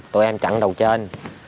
tội em chặn đầu trên